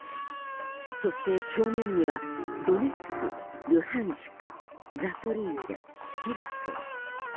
そして正面にはドネツク、ルハンシクザポリージャ、ヘルソン。